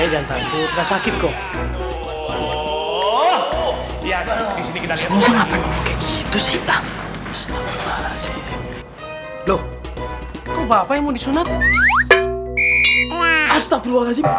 ya kalau disini kita bisa ngomong gitu sih loh bapak yang mau disonat astagfirullahaladzim